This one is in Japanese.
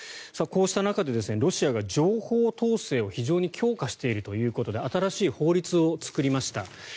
そして、こうした中ロシアが情報統制を非常に強化しているということで新しい法律を作りました。